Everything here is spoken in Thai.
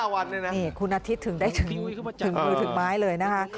วันนี้คุณอาทิตย์ถึงได้ถึงมือถึงไม้เลยนะคะ